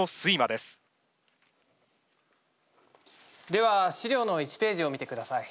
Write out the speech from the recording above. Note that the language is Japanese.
では資料の１ページを見てください。